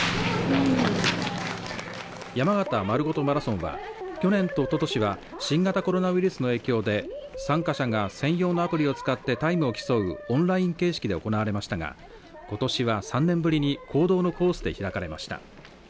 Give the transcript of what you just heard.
山形まるごとマラソンは去年とおととしは新型コロナウイルスの影響で参加者が専用のアプリを使ってタイムを競うオンライン形式で行われましたがことしは３年ぶりに公道のコースで開かれました。